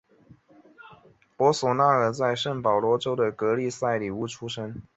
博索纳罗在圣保罗州的格利塞里乌出生。